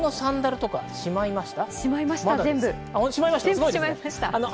全部しまいました。